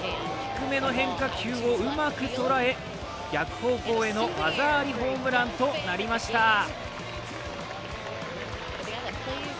低めの変化球をうまく捉え逆方向への技ありホームランとなりました。